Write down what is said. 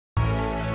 terima kasih bu